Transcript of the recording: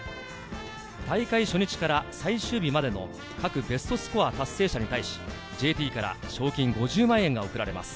大会初日から最終日までの各ベストスコア達成者に対し、ＪＴから賞金５０万円が贈られます。